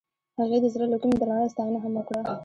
هغې د زړه له کومې د رڼا ستاینه هم وکړه.